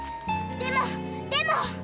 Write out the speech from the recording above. でもでも！